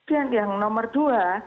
kemudian yang nomor dua